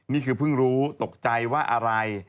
นี่คือเพิ่งรู้ตกใจว่าอะไร